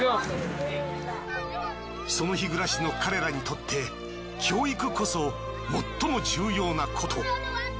その日暮らしの彼らにとって教育こそ最も重要なこと。